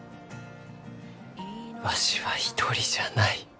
わしは一人じゃない。